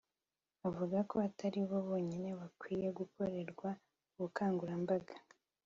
Avuga ko atari bo bonyine bakwiye gukorerwa ubukangurambaga